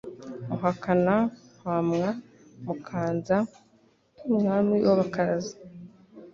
Muhakana-nkamwa, Mukanza Umwami w'abakaraza*